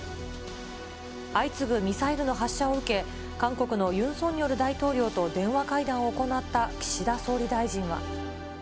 相次ぐミサイルの発射を受け、韓国のユン・ソンニョル大統領と電話会談を行った岸田総理大臣は。